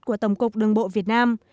của tổng cục đường bộ việt nam